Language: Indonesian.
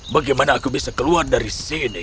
bagaimana aku bisa keluar dari sini